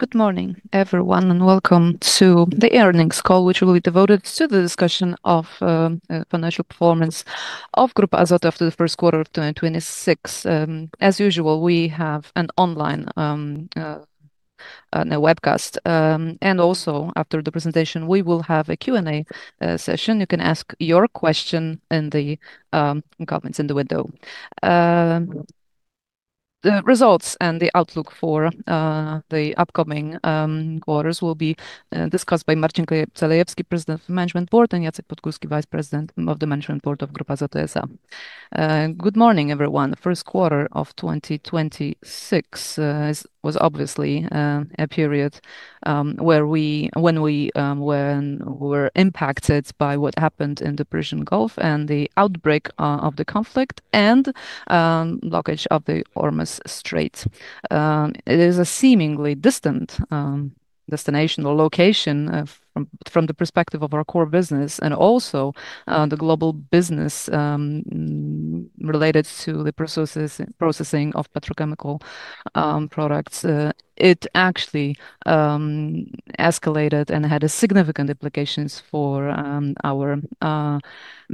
Good morning, everyone, welcome to the earnings call, which will be devoted to the discussion of financial performance of Grupa Azoty after the first quarter of 2026. As usual, we have an online webcast. Also, after the presentation, we will have a Q&A session. You can ask your question in the comments in the window. The results and the outlook for the upcoming quarters will be discussed by Marcin Celejewski, President of the Management Board, and Jacek Podgórski, Vice-President of the Management Board of Grupa Azoty S.A. Good morning, everyone. The first quarter of 2026 was obviously a period when we were impacted by what happened in the Persian Gulf and the outbreak of the conflict, blockage of the Hormuz Strait. It is a seemingly distant destination or location from the perspective of our core business and also the global business related to the processing of petrochemical products. It actually escalated and had significant implications for our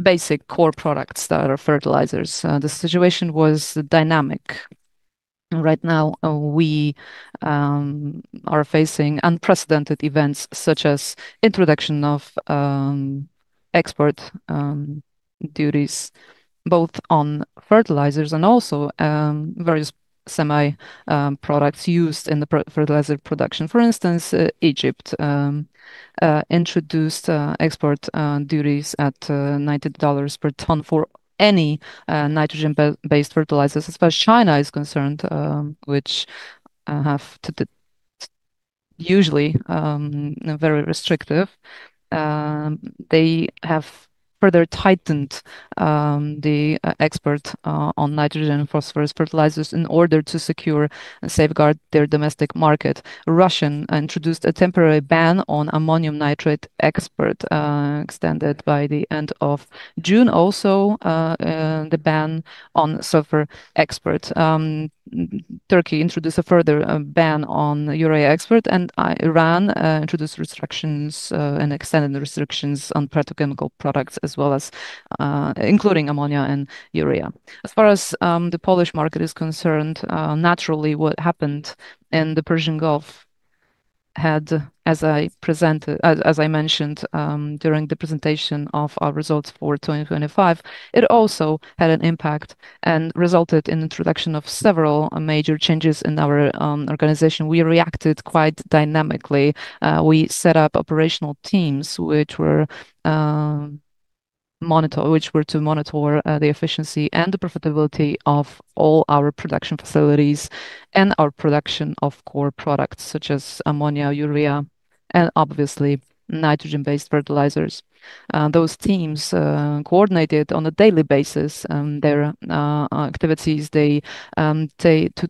basic core products that are fertilizers. The situation was dynamic. Right now, we are facing unprecedented events, such as introduction of export duties, both on fertilizers and also various semi products used in the fertilizer production. For instance, Egypt introduced export duties at $90 per ton for any nitrogen-based fertilizers. As far as China is concerned, which have usually very restrictive, they have further tightened the export on nitrogen and phosphorus fertilizers in order to secure and safeguard their domestic market. Russia introduced a temporary ban on ammonium nitrate export, extended by the end of June. Also, the ban on sulfur export. Turkey introduced a further ban on urea export, and Iran introduced restrictions and extended the restrictions on petrochemical products, including ammonia and urea. As far as the Polish market is concerned, naturally, what happened in the Persian Gulf had, as I mentioned during the presentation of our results for 2025, it also had an impact and resulted in introduction of several major changes in our organization. We reacted quite dynamically. We set up operational teams which were to monitor the efficiency and the profitability of all our production facilities and our production of core products, such as ammonia, urea, and obviously nitrogen-based fertilizers. Those teams coordinated on a daily basis their activities. They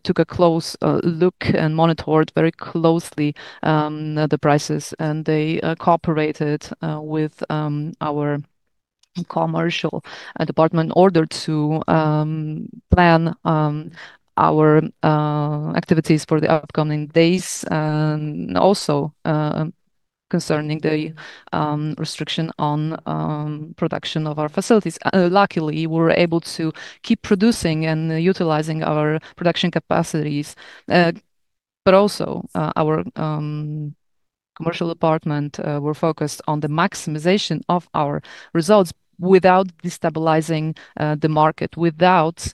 took a close look and monitored very closely the prices, and they cooperated with our commercial department in order to plan our activities for the upcoming days, and also concerning the restriction on production of our facilities. Luckily, we were able to keep producing and utilizing our production capacities. Also, our commercial department were focused on the maximization of our results without destabilizing the market, without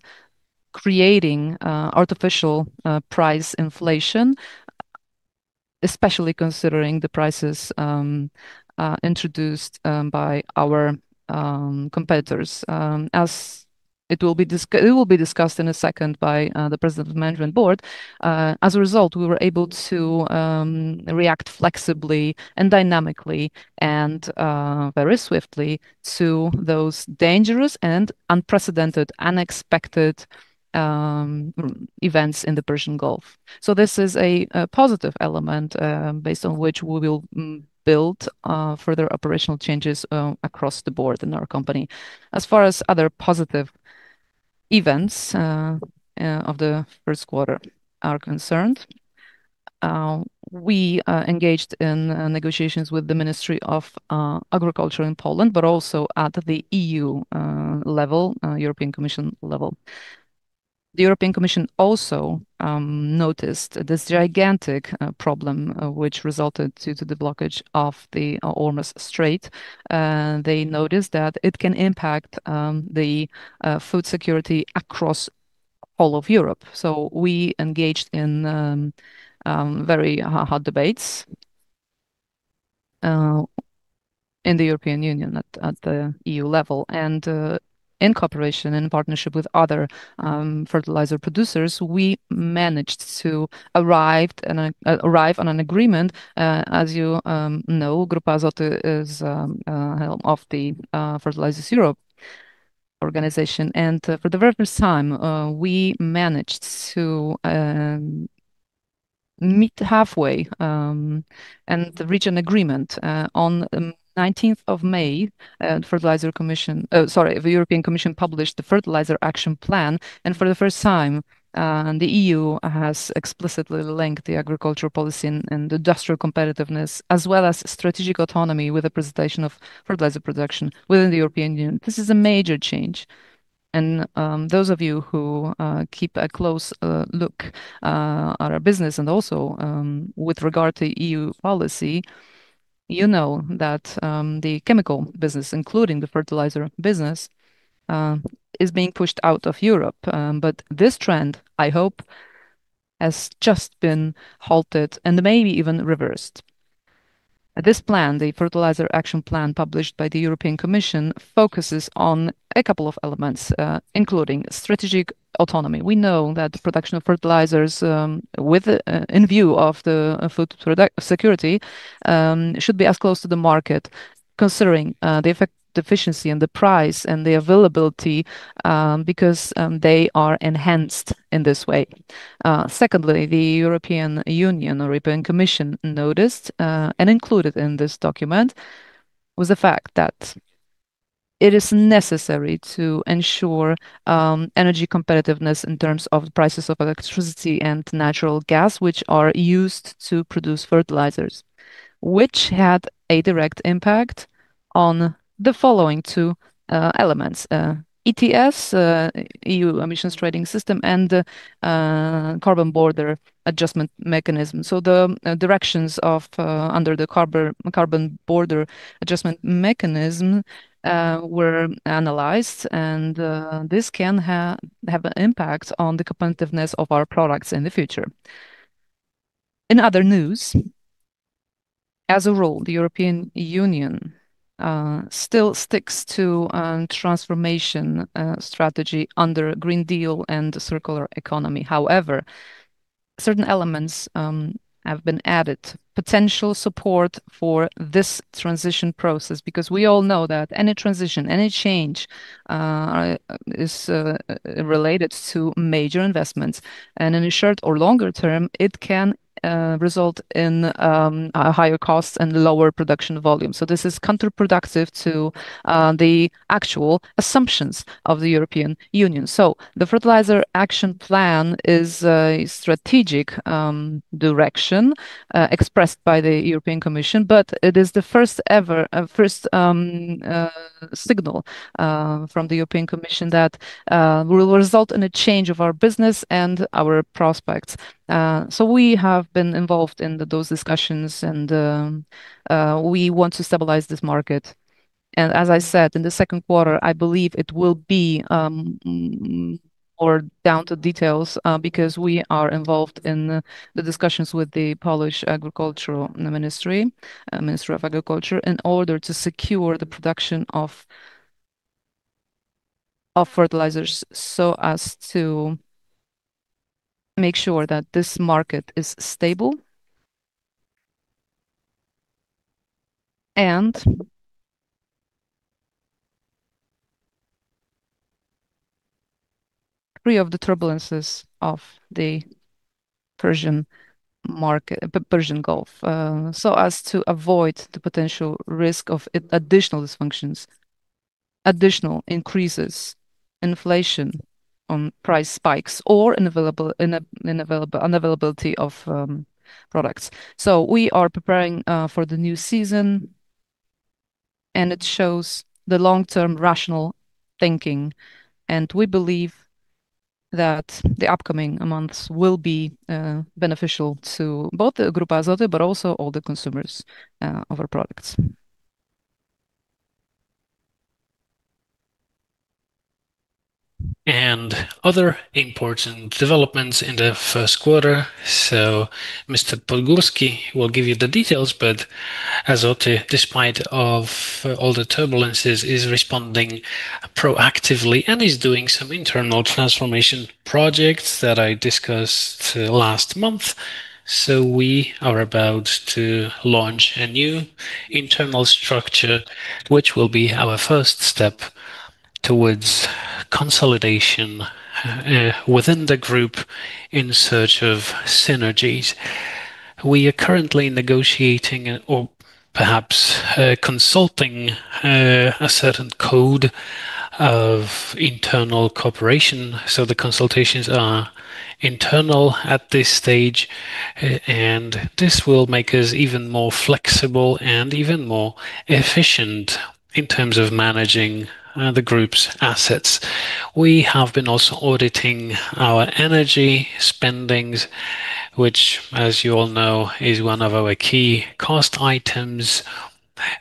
creating artificial price inflation, especially considering the prices introduced by our competitors, as it will be discussed in a second by the President of Management Board. As a result, we were able to react flexibly and dynamically and very swiftly to those dangerous and unprecedented, unexpected events in the Persian Gulf. This is a positive element based on which we will build further operational changes across the board in our company. As far as other positive events of the first quarter are concerned, we engaged in negotiations with the Ministry of Agriculture in Poland, but also at the E.U. level, European Commission level. The European Commission also noticed this gigantic problem, which resulted due to the blockage of the Hormuz Strait. They noticed that it can impact the food security across all of Europe. We engaged in very hard debates in the European Union at the E.U. level. In cooperation and partnership with other fertilizer producers, we managed to arrive on an agreement. As you know, Grupa Azoty is of the Fertilizers Europe organization. For the very first time, we managed to meet halfway and reach an agreement. On the 19th of May, the European Commission published the Fertilizer Action Plan, for the first time, the E.U. has explicitly linked the agricultural policy and industrial competitiveness, as well as strategic autonomy with the presentation of fertilizer production within the European Union. This is a major change, and those of you who keep a close look at our business and also with regard to E.U. policy, you know that the chemical business, including the fertilizer business, is being pushed out of Europe. This trend, I hope, has just been halted and maybe even reversed. This plan, the Fertilizer Action Plan published by the European Commission, focuses on a couple of elements, including strategic autonomy. We know that the production of fertilizers, in view of the food security, should be as close to the market, considering the efficiency and the price and the availability, because they are enhanced in this way. Secondly, the European Union, or European Commission, noticed and included in this document was the fact that it is necessary to ensure energy competitiveness in terms of prices of electricity and natural gas, which are used to produce fertilizers, which had a direct impact on the following two elements, ETS, E.U. Emissions Trading System, and Carbon Border Adjustment Mechanism. The directions under the Carbon Border Adjustment Mechanism were analyzed, and this can have an impact on the competitiveness of our products in the future. In other news, as a rule, the European Union still sticks to transformation strategy under Green Deal and the circular economy. However, certain elements have been added. Potential support for this transition process, because we all know that any transition, any change, is related to major investments, and in a short or longer term, it can result in higher costs and lower production volume. This is counterproductive to the actual assumptions of the European Union. The Fertilizer Action Plan is a strategic direction expressed by the European Commission, but it is the first signal from the European Commission that will result in a change of our business and our prospects. We have been involved in those discussions, and we want to stabilize this market. As I said, in the second quarter, I believe it will be more down to details, because we are involved in the discussions with the Polish Ministry of Agriculture in order to secure the production of fertilizers so as to make sure that this market is stable and free of the turbulences of the Persian Gulf, so as to avoid the potential risk of additional dysfunctions, additional increases, inflation on price spikes or unavailability of products. We are preparing for the new season, and it shows the long-term rational thinking, and we believe that the upcoming months will be beneficial to both Grupa Azoty, but also all the consumers of our products. Other important developments in the first quarter. Mr. Podgórski will give you the details, but Azoty, despite of all the turbulences, is responding proactively and is doing some internal transformation projects that I discussed last month. We are about to launch a new internal structure, which will be our first step towards consolidation within the group in search of synergies. We are currently negotiating or perhaps consulting a certain code of internal cooperation. The consultations are internal at this stage, and this will make us even more flexible and even more efficient in terms of managing the group's assets. We have been also auditing our energy spendings, which, as you all know, is one of our key cost items.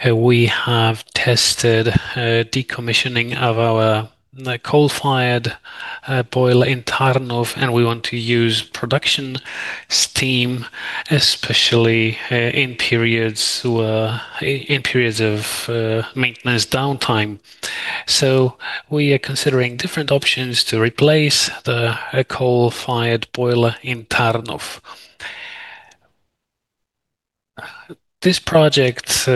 We have tested decommissioning of our coal-fired boiler in Tarnów, and we want to use production steam, especially in periods of maintenance downtime. We are considering different options to replace the coal-fired boiler in Tarnów. This project,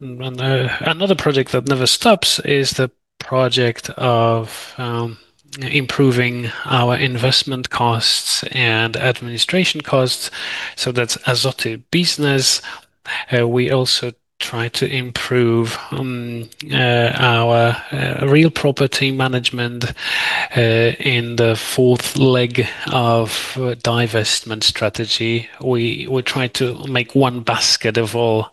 another project that never stops, is the project of improving our investment costs and administration costs. That's Azoty Business. We also try to improve our real property management in the fourth leg of divestment strategy. We try to make one basket of all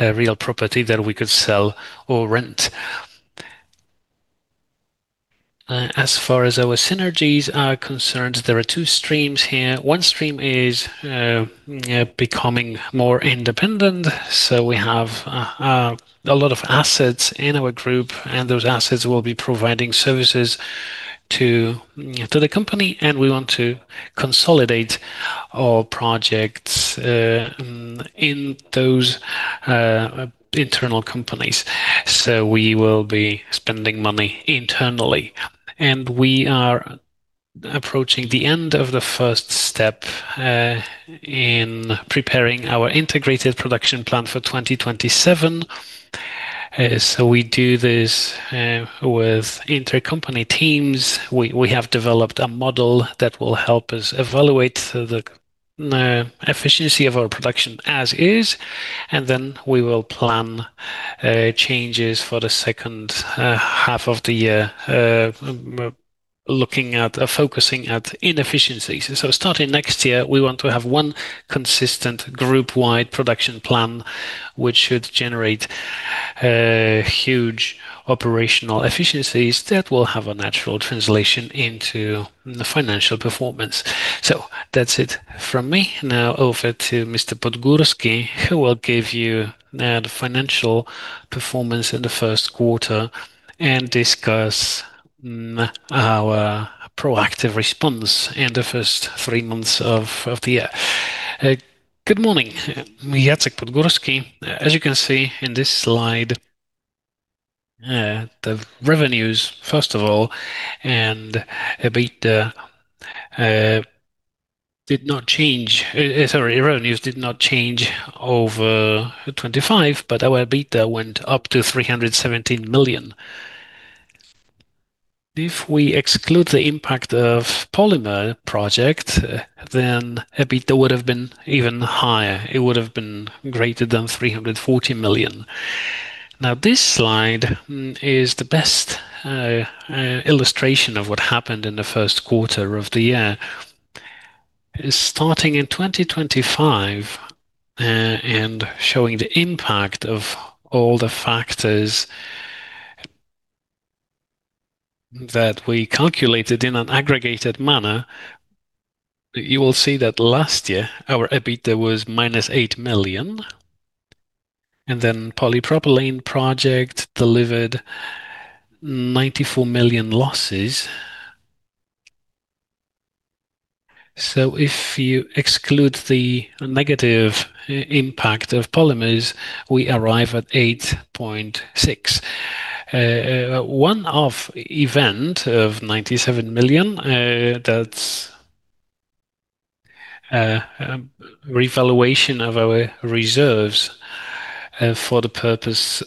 real property that we could sell or rent. As far as our synergies are concerned, there are two streams here. One stream is becoming more independent. We have a lot of assets in our group, and those assets will be providing services to the company, and we want to consolidate our projects in those internal companies. We will be spending money internally. We are approaching the end of the first step in preparing our integrated production plan for 2027. We do this with intercompany teams. We have developed a model that will help us evaluate the efficiency of our production as is, and then we will plan changes for the second half of the year, looking at focusing at inefficiencies. Starting next year, we want to have one consistent group-wide production plan, which should generate huge operational efficiencies that will have a natural translation into financial performance. That's it from me. Now over to Mr. Podgórski, who will give you the financial performance in the first quarter and discuss our proactive response in the first three months of the year. Good morning. Jacek Podgórski. As you can see in this slide, the revenues, first of all, and EBITDA did not change. Sorry, revenues did not change over 2025, but our EBITDA went up to 317 million. If we exclude the impact of polymer project, then EBITDA would have been even higher. It would have been greater than 340 million. This slide is the best illustration of what happened in the first quarter of the year. Starting in 2025 and showing the impact of all the factors that we calculated in an aggregated manner, you will see that last year, our EBITDA was -8 million, and then polypropylene project delivered PLN 94 million losses. If you exclude the negative impact of polymers, we arrive at 8.6 million. One-off event of 97 million, that's revaluation of our reserves for the purpose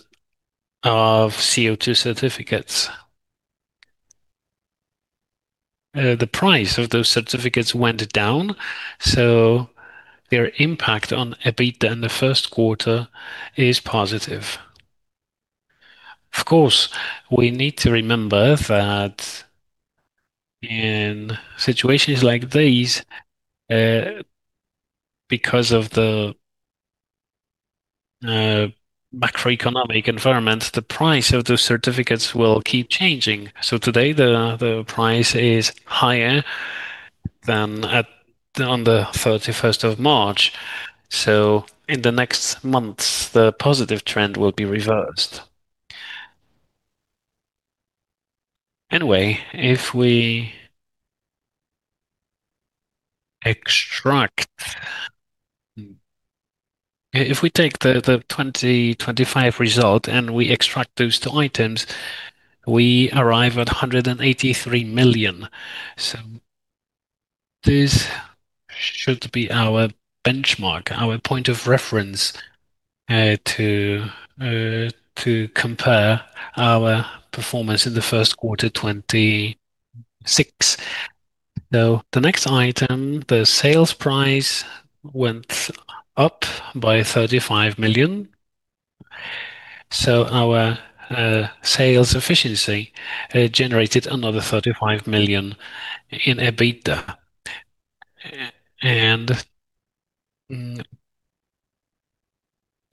of CO2 certificates. The price of those certificates went down, so their impact on EBITDA in the first quarter is positive. Of course, we need to remember that in situations like these, because of the macroeconomic environment, the price of those certificates will keep changing. Today, the price is higher than on the 31st of March. In the next months, the positive trend will be reversed. Anyway, if we take the 2025 result and we extract those two items, we arrive at 183 million. This should be our benchmark, our point of reference to compare our performance in the first quarter 2026. The next item, the sales price went up by 35 million. Our sales efficiency generated another 35 million in EBITDA.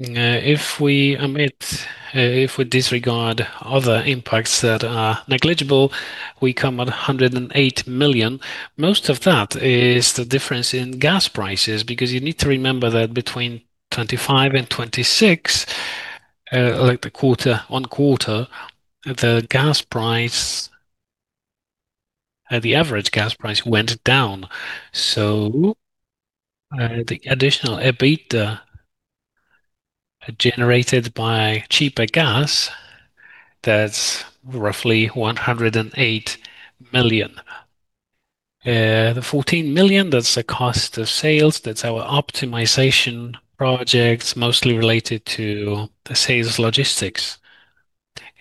If we omit, if we disregard other impacts that are negligible, we come at 108 million. Most of that is the difference in gas prices, because you need to remember that between 2025 and 2026, like the quarter-on-quarter, the average gas price went down. The additional EBITDA generated by cheaper gas, that's roughly 108 million. 14 million, that's the cost of sales. That's our optimization projects, mostly related to the sales logistics.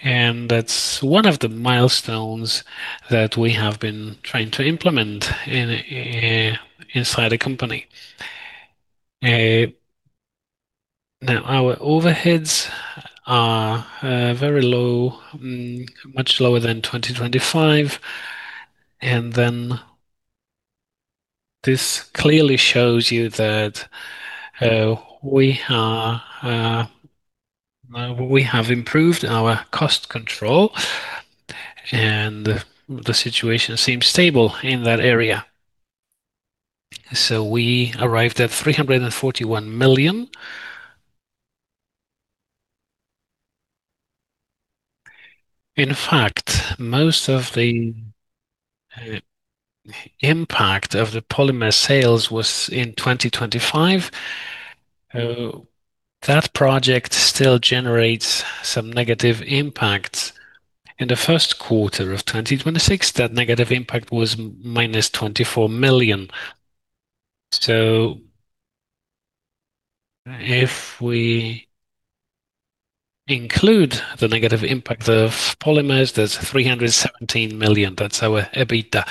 That's one of the milestones that we have been trying to implement inside the company. Now, our overheads are very low, much lower than 2025. This clearly shows you that we have improved our cost control, and the situation seems stable in that area. We arrived at PLN 341 million. In fact, most of the impact of the polymer sales was in 2025. That project still generates some negative impact. In the first quarter of 2026, that negative impact was -24 million. If we include the negative impact of polymers, there's 317 million. That's our EBITDA.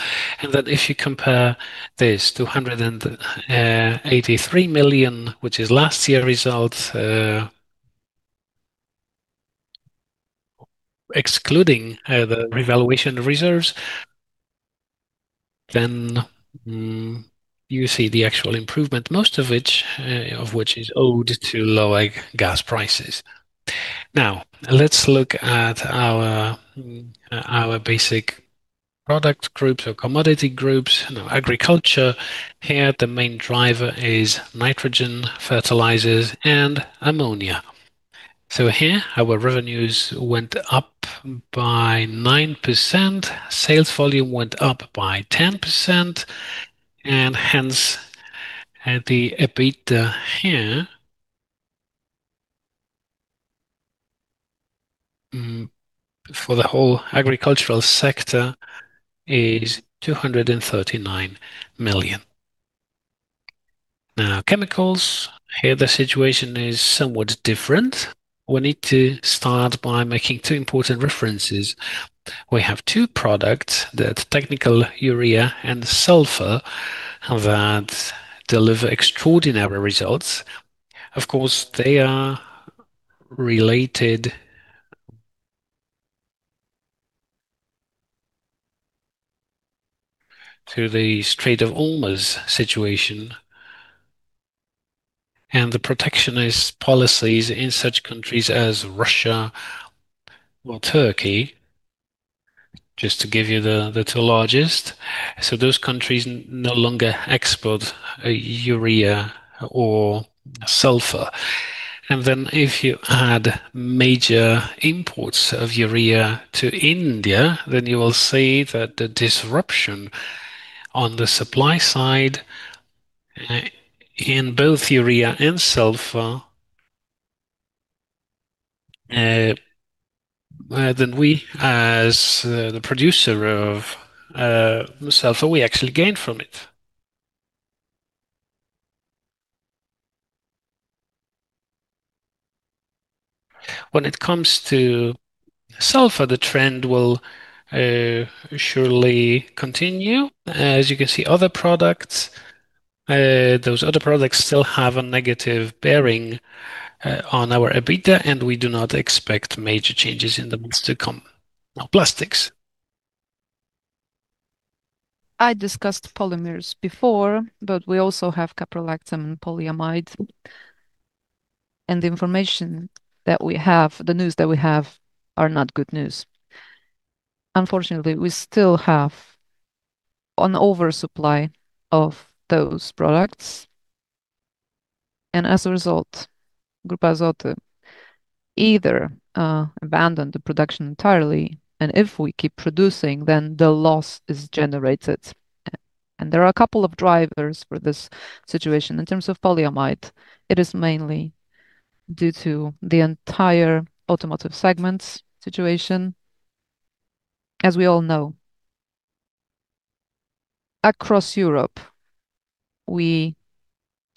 If you compare this to 183 million, which is last year's result, excluding the revaluation reserves, you see the actual improvement, most of which is owed to lower gas prices. Let's look at our basic product groups or commodity groups. Agriculture, here the main driver is nitrogen fertilizers and ammonia. Here our revenues went up by 9%, sales volume went up by 10%, and hence the EBITDA here for the whole agricultural sector is 239 million. Chemicals. Here, the situation is somewhat different. We need to start by making two important references. We have two products, the technical urea and sulfur, that deliver extraordinary results. Of course, they are related to the Strait of Hormuz situation and the protectionist policies in such countries as Russia or Turkey, just to give you the two largest. Those countries no longer export urea or sulfur. If you add major imports of urea to India, then you will see that the disruption on the supply side in both urea and sulfur, then we, as the producer of sulfur, we actually gain from it. When it comes to sulfur, the trend will surely continue. As you can see, those other products still have a negative bearing on our EBITDA, and we do not expect major changes in the months to come. Now, plastics. I discussed polymers before, but we also have caprolactam and polyamide. The news that we have are not good news. Unfortunately, we still have an oversupply of those products. As a result, Grupa Azoty either abandon the production entirely. If we keep producing, then the loss is generated. There are a couple of drivers for this situation. In terms of polyamide, it is mainly due to the entire automotive segment situation. As we all know, across Europe, we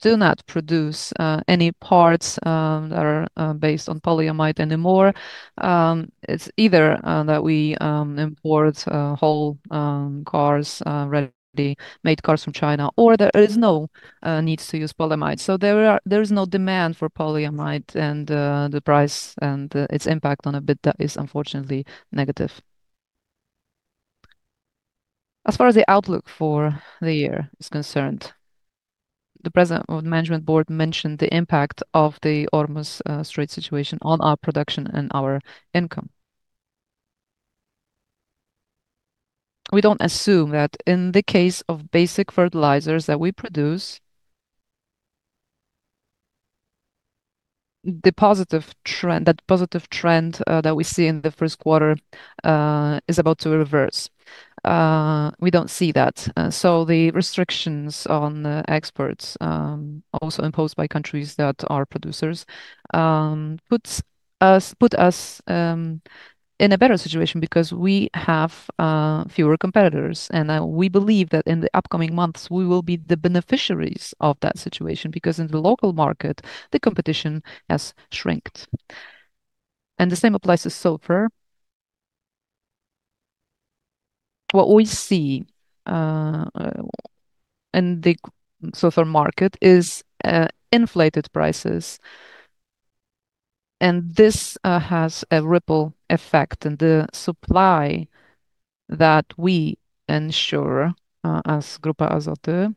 do not produce any parts that are based on polyamide anymore. It's either that we import whole ready-made cars from China, or there is no need to use polyamide. There is no demand for polyamide. The price and its impact on EBITDA is unfortunately negative. As far as the outlook for the year is concerned, the president of the management board mentioned the impact of the Hormuz Strait situation on our production and our income. We don't assume that in the case of basic fertilizers that we produce, that positive trend that we see in the first quarter is about to reverse. We don't see that. The restrictions on exports, also imposed by countries that are producers, put us in a better situation because we have fewer competitors, and we believe that in the upcoming months, we will be the beneficiaries of that situation, because in the local market, the competition has shrunk. The same applies to sulfur. What we see in the sulfur market is inflated prices, and this has a ripple effect in the supply that we ensure as Grupa Azoty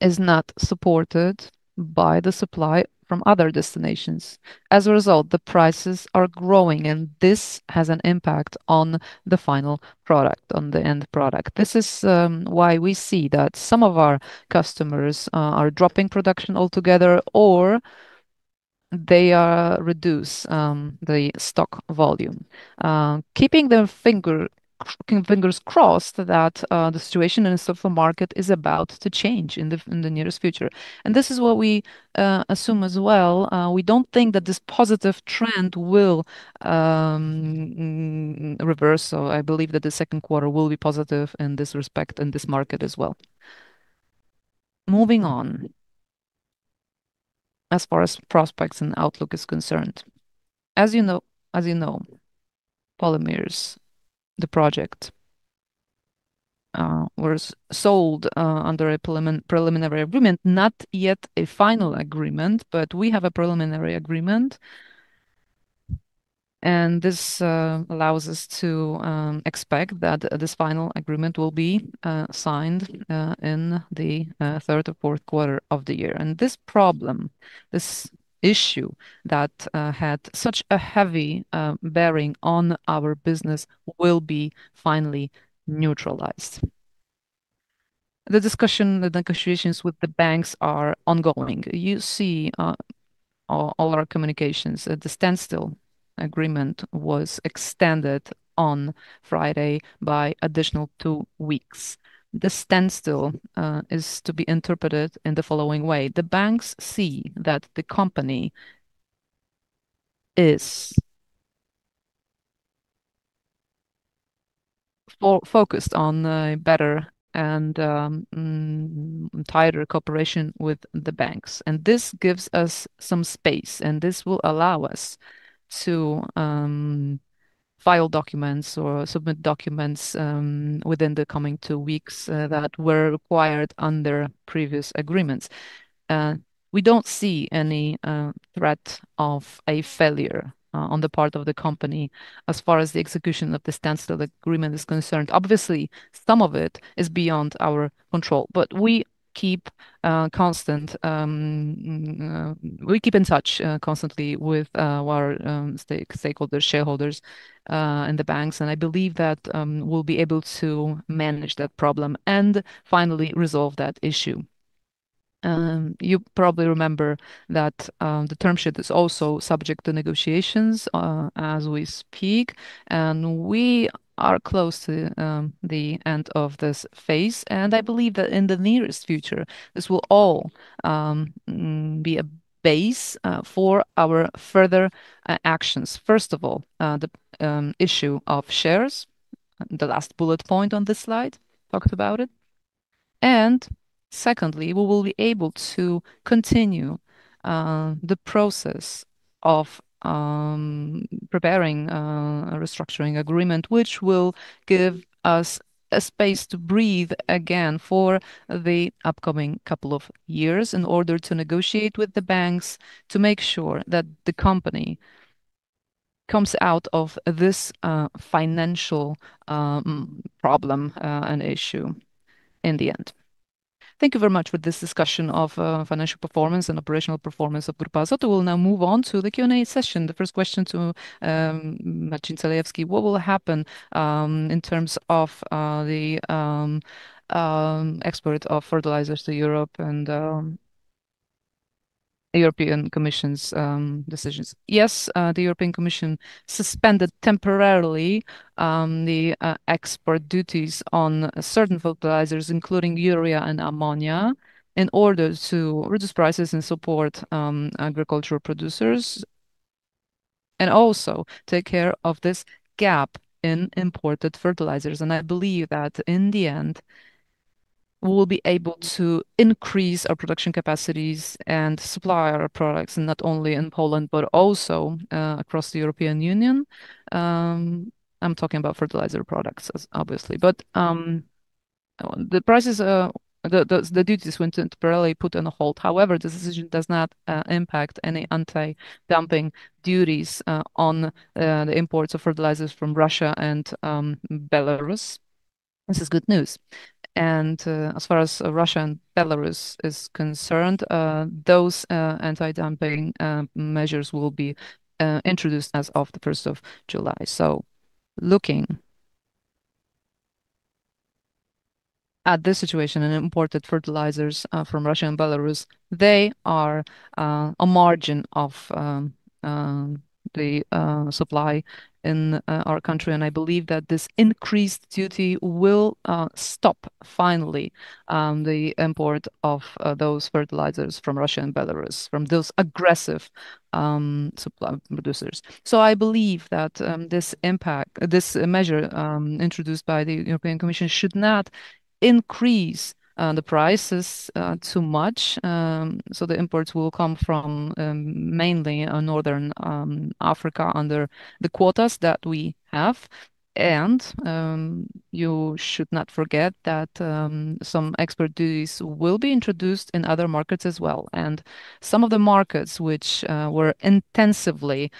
is not supported by the supply from other destinations. As a result, the prices are growing, and this has an impact on the final product, on the end product. This is why we see that some of our customers are dropping production altogether, or they reduce the stock volume, keeping their fingers crossed that the situation in the sulfur market is about to change in the nearest future. This is what we assume as well. We don't think that this positive trend will reverse, so I believe that the second quarter will be positive in this respect, in this market as well. Moving on, as far as prospects and outlook is concerned, as you know, polymers, the project, was sold under a preliminary agreement, not yet a final agreement, but we have a preliminary agreement. This allows us to expect that this final agreement will be signed in the third or fourth quarter of the year. This problem, this issue that had such a heavy bearing on our business, will be finally neutralized. The discussion, the negotiations with the banks are ongoing. You see all our communications. The standstill agreement was extended on Friday by additional two weeks. The standstill is to be interpreted in the following way: The banks see that the company is focused on better and tighter cooperation with the banks, and this gives us some space, and this will allow us to file documents or submit documents within the coming two weeks that were required under previous agreements. We don't see any threat of a failure on the part of the company as far as the execution of the standstill agreement is concerned. Some of it is beyond our control, we keep in touch constantly with our stakeholders, shareholders, and the banks, I believe that we'll be able to manage that problem and finally resolve that issue. You probably remember that the term sheet is also subject to negotiations as we speak, we are close to the end of this phase, I believe that in the nearest future, this will all be a base for our further actions. First of all, the issue of shares, the last bullet point on this slide talked about it. Secondly, we will be able to continue the process of preparing a restructuring agreement, which will give us a space to breathe again for the upcoming couple of years in order to negotiate with the banks to make sure that the company comes out of this financial problem and issue in the end. Thank you very much for this discussion of financial performance and operational performance of Grupa Azoty. We'll now move on to the Q&A session. The first question to Marcin Celejewski, what will happen in terms of the export of fertilizers to Europe and the European Commission's decisions? Yes, the European Commission suspended temporarily the export duties on certain fertilizers, including urea and ammonia, in order to reduce prices and support agricultural producers, and also take care of this gap in imported fertilizers. I believe that in the end, we will be able to increase our production capacities and supply our products, not only in Poland, but also across the European Union. I'm talking about fertilizer products, obviously. The duties went temporarily put on hold. However, this decision does not impact any anti-dumping duties on the imports of fertilizers from Russia and Belarus. This is good news. As far as Russia and Belarus is concerned, those anti-dumping measures will be introduced as of the first of July. Looking at this situation in imported fertilizers from Russia and Belarus, they are a margin of the supply in our country, I believe that this increased duty will stop, finally, the import of those fertilizers from Russia and Belarus, from those aggressive supply producers. I believe that this measure introduced by the European Commission should not increase the prices too much. The imports will come from mainly Northern Africa under the quotas that we have. You should not forget that some export duties will be introduced in other markets as well. Some of the markets which would intensively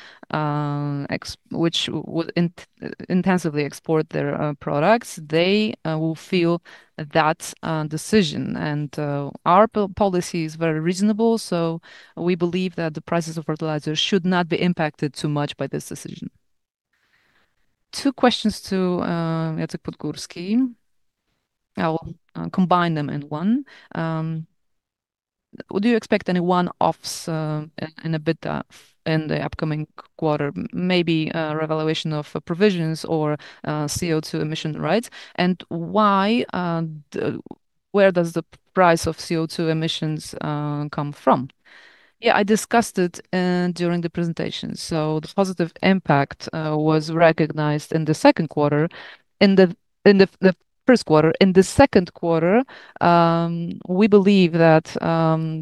export their products, they will feel that decision. Our policy is very reasonable, so we believe that the prices of fertilizers should not be impacted too much by this decision. Two questions to Jacek Podgórski. I will combine them in one. Do you expect any one-offs in EBITDA in the upcoming quarter, maybe revaluation of provisions or CO2 emission rights, and where does the price of CO2 emissions come from? Yeah, I discussed it during the presentation. The positive impact was recognized in the first quarter. In the second quarter, we believe that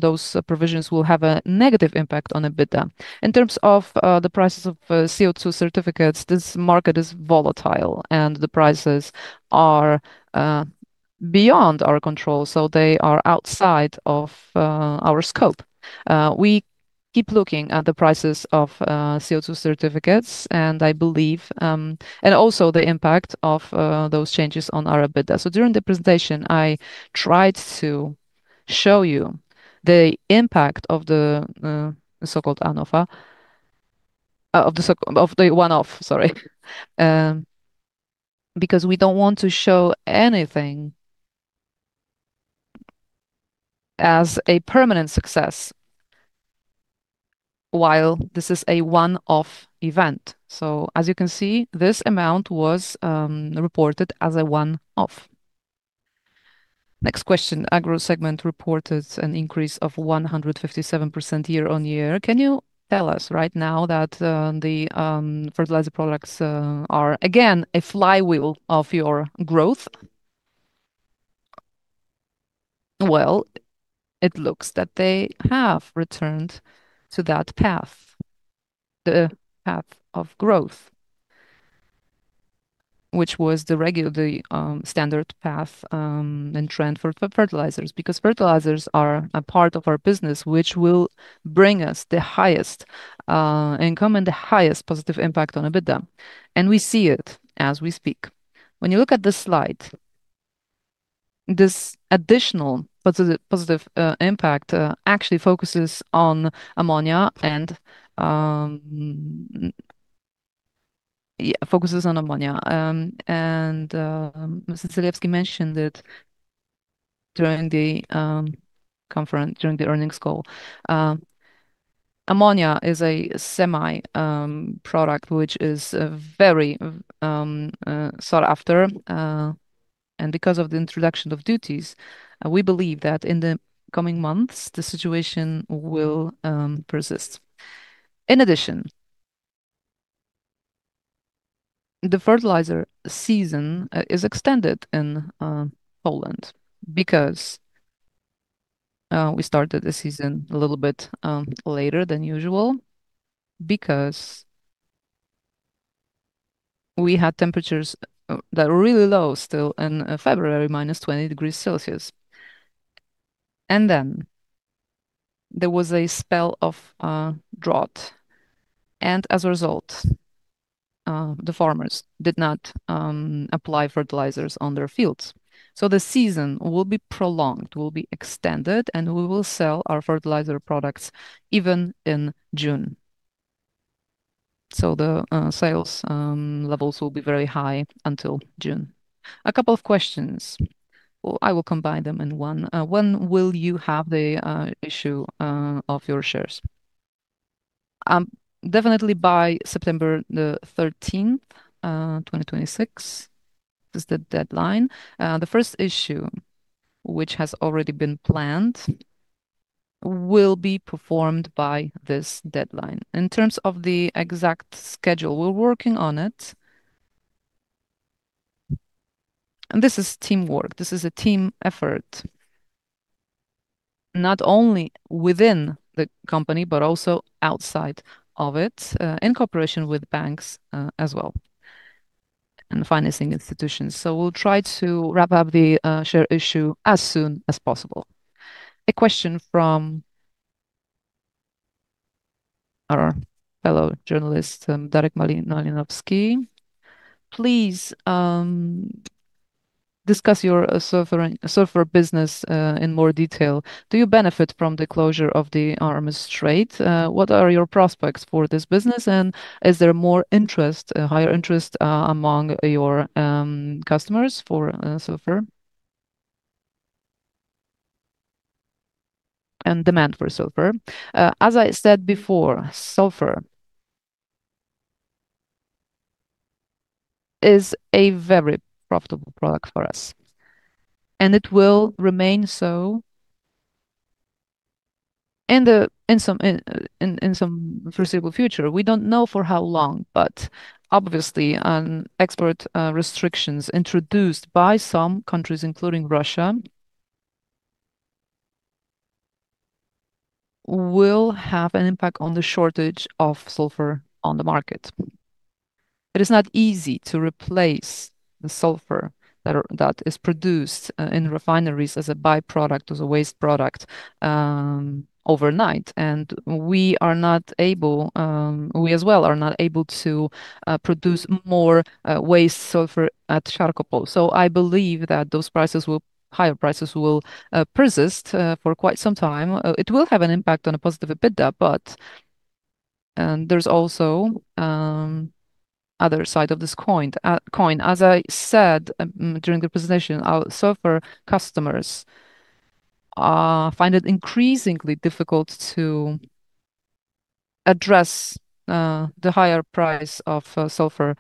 those provisions will have a negative impact on EBITDA. In terms of the prices of CO2 certificates, this market is volatile, and the prices are beyond our control, so they are outside of our scope. We keep looking at the prices of CO2 certificates and also the impact of those changes on our EBITDA. During the presentation, I tried to show you the impact of the so-called one-off, because we don't want to show anything as a permanent success while this is a one-off event. As you can see, this amount was reported as a one-off. Next question, Agro segment reported an increase of 157% year-on-year. Can you tell us right now that the fertilizer products are, again, a flywheel of your growth? It looks that they have returned to that path, the path of growth, which was the standard path and trend for fertilizers, because fertilizers are a part of our business, which will bring us the highest income and the highest positive impact on EBITDA, and we see it as we speak. When you look at this slide, this additional positive impact actually focuses on ammonia. Mr. Celejewski mentioned it during the earnings call. Ammonia is a semi product, which is very sought after. Because of the introduction of duties, we believe that in the coming months, the situation will persist. The fertilizer season is extended in Poland because we started the season a little bit later than usual, because we had temperatures that were really low still in February, -20 degrees Celsius. Then there was a spell of drought, and as a result, the farmers did not apply fertilizers on their fields. The season will be prolonged, will be extended, and we will sell our fertilizer products even in June. The sales levels will be very high until June. A couple of questions. I will combine them in one. When will you have the issue of your shares? Definitely by September the 13th, 2026 is the deadline. The first issue, which has already been planned, will be performed by this deadline. In terms of the exact schedule, we're working on it. This is teamwork. This is a team effort, not only within the company, but also outside of it, in cooperation with banks as well, and financing institutions. We'll try to wrap up the share issue as soon as possible. A question from our fellow journalist, Dariusz Malinowski. Please discuss your sulfur business in more detail. Do you benefit from the closure of the Hormuz Strait? What are your prospects for this business, and is there more interest, higher interest among your customers for sulfur? Demand for sulfur. As I said before, sulfur is a very profitable product for us, and it will remain so in some foreseeable future. We don't know for how long, but obviously, export restrictions introduced by some countries, including Russia, will have an impact on the shortage of sulfur on the market. It is not easy to replace the sulfur that is produced in refineries as a byproduct, as a waste product, overnight. We as well are not able to produce more waste sulfur at Czarnków, so I believe that higher prices will persist for quite some time. It will have an impact on a positive EBITDA. There's also other side of this coin. As I said during the presentation, our sulfur customers find it increasingly difficult to address the higher price of sulfur,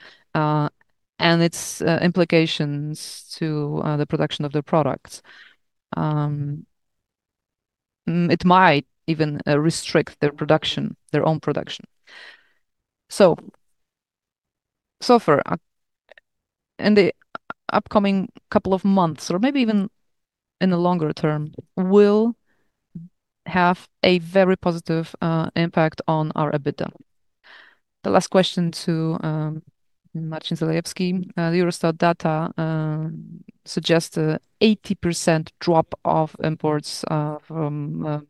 and its implications to the production of their products. It might even restrict their own production. Sulfur, in the upcoming couple of months, or maybe even in the longer term, will have a very positive impact on our EBITDA. The last question to Marcin Celejewski. The Eurostat data suggests a 80% drop of imports on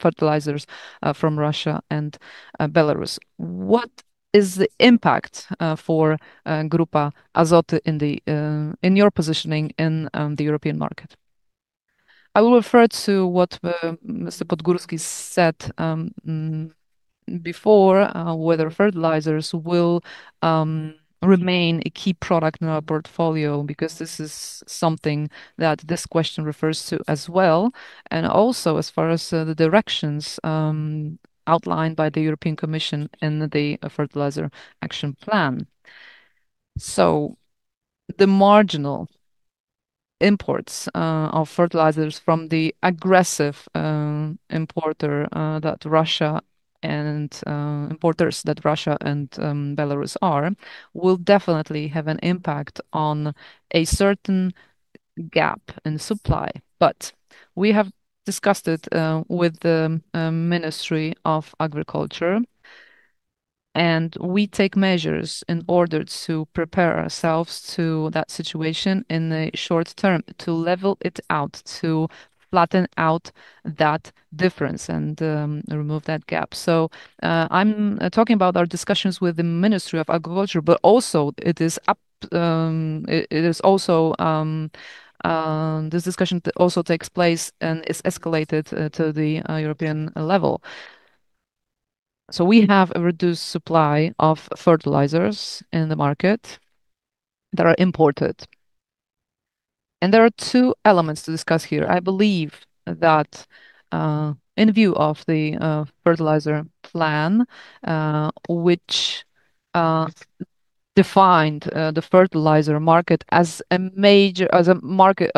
fertilizers from Russia and Belarus. What is the impact for Grupa Azoty in your positioning in the European market? I will refer to what Mr. Podgórski said before, whether fertilizers will remain a key product in our portfolio, because this is something that this question refers to as well, and also as far as the directions outlined by the European Commission in the Fertilizer Action Plan. The marginal imports of fertilizers from the aggressive importers that Russia and Belarus are, will definitely have an impact on a certain gap in supply. We have discussed it with the Ministry of Agriculture, and we take measures in order to prepare ourselves to that situation in the short term, to level it out, to flatten out that difference, and remove that gap. I'm talking about our discussions with the Ministry of Agriculture, but also this discussion also takes place and is escalated to the European level. We have a reduced supply of fertilizers in the market that are imported, and there are two elements to discuss here. I believe that in view of the Fertilizer Action Plan, which defined the fertilizer market as a market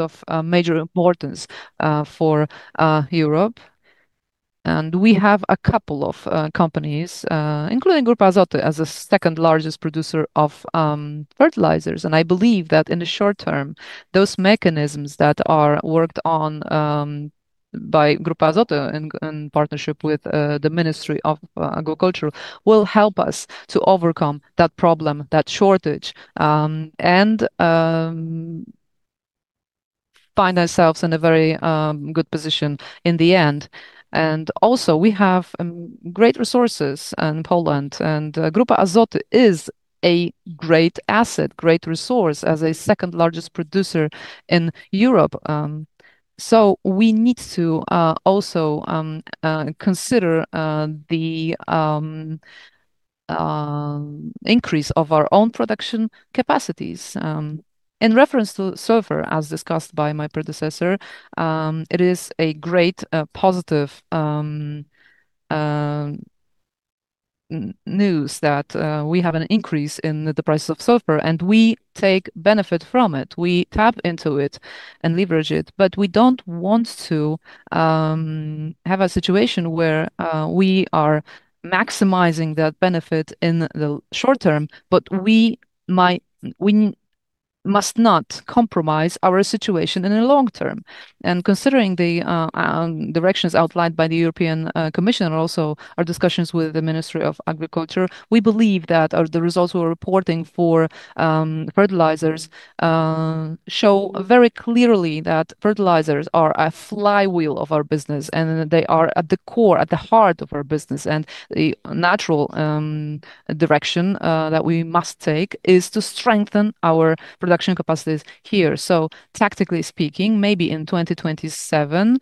of major importance for the European Union, and we have a couple of companies, including Grupa Azoty, as the second-largest producer of fertilizers. I believe that in the short term, those mechanisms that are worked on by Grupa Azoty, in partnership with the Ministry of Agriculture and Rural Development, will help us to overcome that problem, that shortage, and find ourselves in a very good position in the end. Also we have great resources in Poland, and Grupa Azoty is a great asset, great resource as a second-largest producer in the European Union. We need to also consider the increase of our own production capacities. In reference to sulfur, as discussed by my predecessor, it is a great positive news that we have an increase in the prices of sulfur, and we take benefit from it. We tap into it and leverage it, but we don't want to have a situation where we are maximizing that benefit in the short term, but we must not compromise our situation in the long term. Considering the directions outlined by the European Commission, and also our discussions with the Ministry of Agriculture, we believe that the results we're reporting for fertilizers show very clearly that fertilizers are a flywheel of our business, and they are at the core, at the heart of our business. The natural direction that we must take is to strengthen our production capacities here. Tactically speaking, maybe in 2027,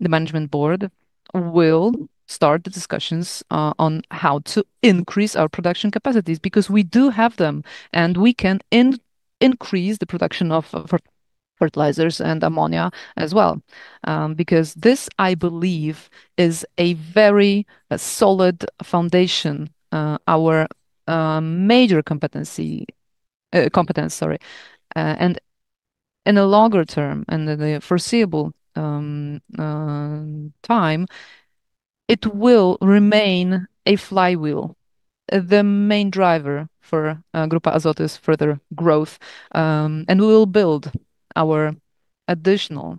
the Management Board will start the discussions on how to increase our production capacities, because we do have them, and we can increase the production of fertilizers and ammonia as well. Because this, I believe, is a very solid foundation, our major competence. In the longer term and in the foreseeable time, it will remain a flywheel, the main driver for Grupa Azoty's further growth, and we will build our additional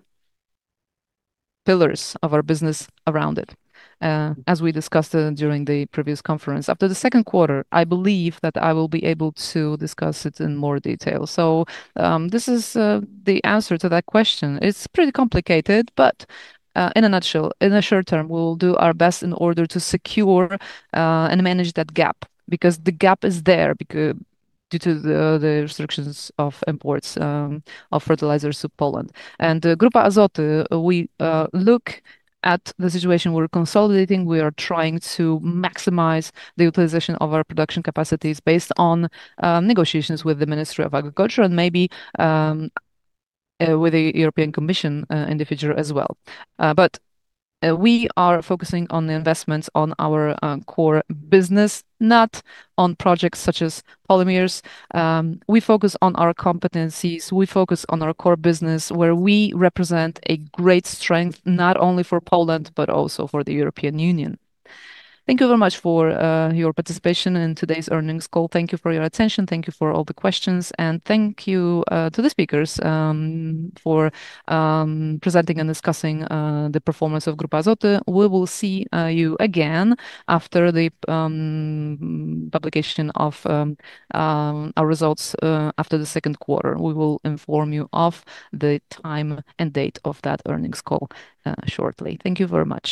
pillars of our business around it, as we discussed during the previous conference. After the second quarter, I believe that I will be able to discuss it in more detail. This is the answer to that question. It's pretty complicated, but in a nutshell, in the short term, we will do our best in order to secure and manage that gap, because the gap is there due to the restrictions of imports of fertilizers to Poland. Grupa Azoty, we look at the situation, we're consolidating, we are trying to maximize the utilization of our production capacities based on negotiations with the Ministry of Agriculture and maybe with the European Commission in the future as well. We are focusing on the investments on our core business, not on projects such as polymers. We focus on our competencies. We focus on our core business, where we represent a great strength, not only for Poland, but also for the European Union. Thank you very much for your participation in today's earnings call. Thank you for your attention. Thank you for all the questions, and thank you to the speakers for presenting and discussing the performance of Grupa Azoty. We will see you again after the publication of our results after the second quarter. We will inform you of the time and date of that earnings call shortly. Thank you very much.